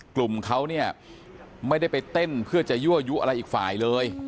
กลุ่มเขาเนี่ยไม่ได้ไปเต้นเพื่อจะยั่วยุอะไรอีกฝ่ายเลย